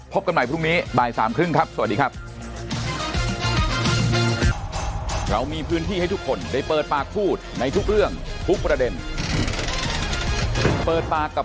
เพื่อนผู้ชมครับวันนี้หมดเวลาของเปิดปากกับภาคภูมินะครับ